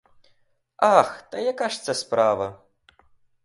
Ах, та яка ж це справа?